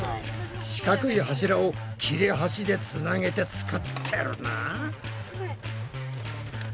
四角い柱を切れ端でつなげて作ってるな。